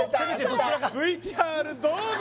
ＶＴＲどうぞ！